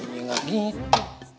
ini enggak gitu